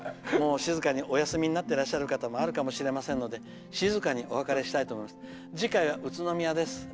静かにお休みになってる方もあるかもしれませんので静かにお別れしたいと思います。